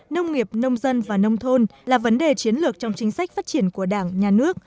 nông nghiệp nông dân và nông thôn là vấn đề chiến lược trong chính sách phát triển của đảng nhà nước